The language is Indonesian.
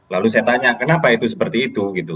lalu saya tanya kenapa itu seperti itu gitu